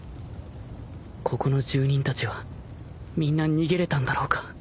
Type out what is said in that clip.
ここの住人たちはみんな逃げれたんだろうか？